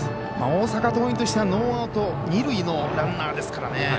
大阪桐蔭としてはノーアウト、二塁のランナーですからね。